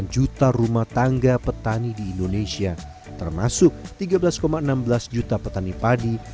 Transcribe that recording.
dua puluh tujuh enam puluh delapan juta rumah tangga petani di indonesia termasuk tiga belas enam belas juta petani padi